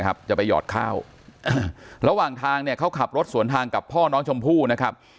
จะไปหยอดข้าวระหว่างทางเนี่ยเขาขับรถสวนทางกับพ่อน้องชมพู่นะครับ